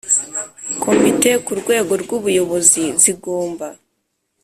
Komitezo ku rwego rw buyobozi zigomba